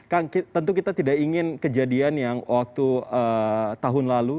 kang tentu kita tidak ingin kejadian yang waktu tahun lalu